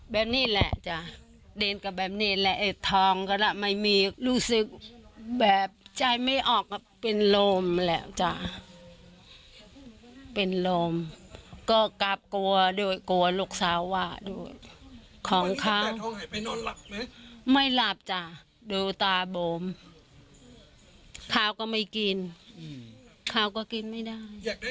ไม่หลับจ้ะดูตาเบิ่มขาวก็ไม่กินขาก็กินไม่ได้